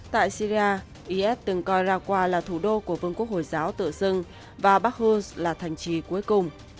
tại syria is từng coi raqqa là thủ đô của vương quốc hồi giáo tựa sương và bakhous là thành trì cuối cùng